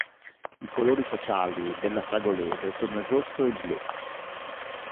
I colori sociali dell'Afragolese sono il rosso e il blu.